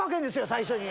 最初に。